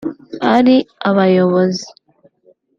ari abayobozi